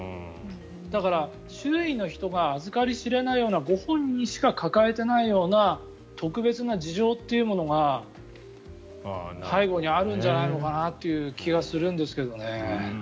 だから、周囲の人があずかり知らないようなご本人しか抱えていないような特別な事情というものが背後にあるんじゃないのかなという気がするんですけどね。